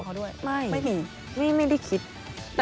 ไม่ไม่มีไม่ได้คิดเลย